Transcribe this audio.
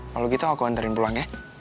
kalau gitu aku antarin pulang ya